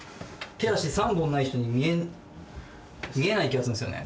手足３本ない人に見えない気がするんですよね。